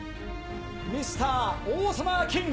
ミスター王様キング。